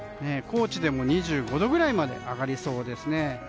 高知でも２５度ぐらいまで上がりそうですね。